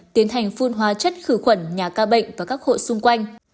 tiến hành phun hóa chất khử khuẩn nhà ca bệnh và các hộ xung quanh